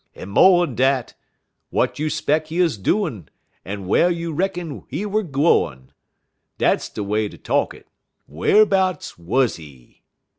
En mo'n dat, w'at you 'speck he 'uz doin' en whar you reckon he wer' gwine? Dat's de way ter talk it; whar'bouts wuz he?"